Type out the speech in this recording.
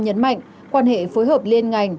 nhấn mạnh quan hệ phối hợp liên ngành